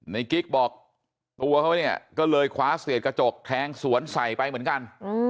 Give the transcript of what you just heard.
กิ๊กบอกตัวเขาเนี่ยก็เลยคว้าเศษกระจกแทงสวนใส่ไปเหมือนกัน